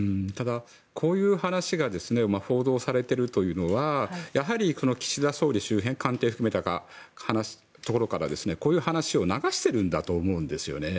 こういう話が報道されてるというのはやはり、岸田総理周辺官邸含めたところからこういう話を流しているんだと思うんですよね。